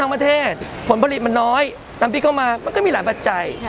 ประเทศผลผลิตมันน้อยน้ำพริกเข้ามามันก็มีหลายปัจจัย